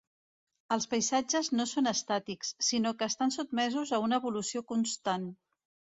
Els paisatges no són estàtics, sinó que estan sotmesos a una evolució constant.